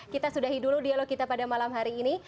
kita sudahi dulu dialog kita pada malam hari ini